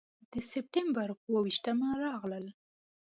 د سپټمبر پر اوه ویشتمه راغلل.